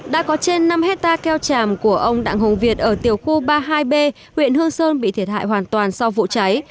đã có trên năm hectare keo tràm của ông đặng hồng việt ở tiểu khu ba mươi hai b huyện hương sơn bị thiệt hại hoàn toàn sau vụ cháy